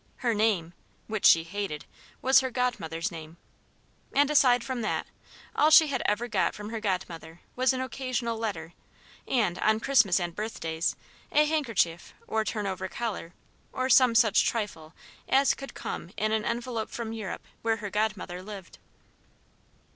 Her name which she hated was her godmother's name. And aside from that, all she had ever got from her godmother was an occasional letter and, on Christmas and birthdays, a handkerchief or turnover collar or some other such trifle as could come in an envelope from Europe where her godmother lived.